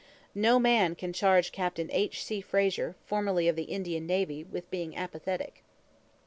No man can charge Capt. H. C. Fraser, formerly of the Indian Navy, with being apathetic.